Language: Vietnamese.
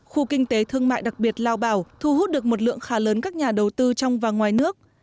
khu kinh tế thương mại đặc biệt lao bảo thu hút được một lượng khá lớn các nhà đầu tư trong và ngoài nước